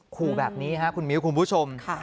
ขู่แบบนี้ครับคุณมิ้วคุณผู้ชม